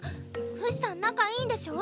フシさん仲いいんでしょ？